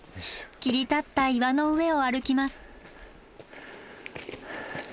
切り立った岩の上を歩きます。